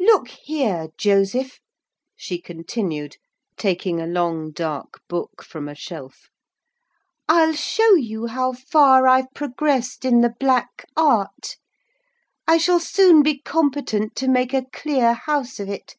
look here, Joseph," she continued, taking a long, dark book from a shelf; "I'll show you how far I've progressed in the Black Art: I shall soon be competent to make a clear house of it.